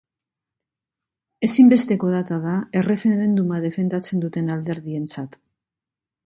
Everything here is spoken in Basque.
Ezinbesteko data da erreferenduma defendatzen duten alderdientzat.